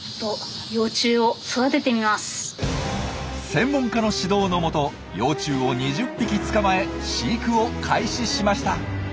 専門家の指導のもと幼虫を２０匹捕まえ飼育を開始しました。